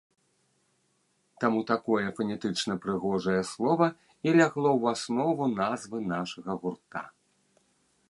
Таму такое фанетычна-прыгожае слова і лягло ў аснову назвы нашага гурта.